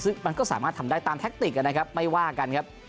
ซึ่งมันก็สามารถทำได้ตามแทคติกนะครับไม่ว่ากันครับ